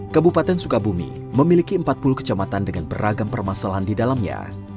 kabupaten sukabumi memiliki empat puluh kecamatan dengan beragam permasalahan di dalamnya